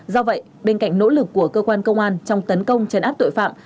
do vậy bên cạnh nỗ lực của cơ quan công an trong tấn công chấn áp tội phạm